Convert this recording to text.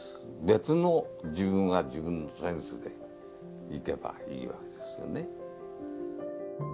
別の自分は自分のセンスでいけばいいわけですよね。